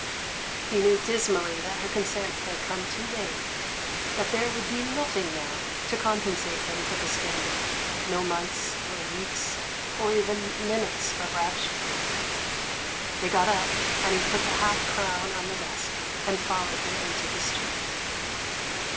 He knew dismally that her consent had come too late, that there would be nothing now to com pensate him for the scandal — no months, or weeks, or even minutes of rapture. They got up, and he put the half crown on the desk, and followed her into the street.